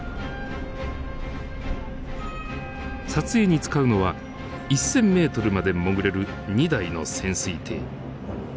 撮影に使うのは１，０００ｍまで潜れる２台の潜水艇。